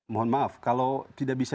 mohon maaf kalau tidak bisa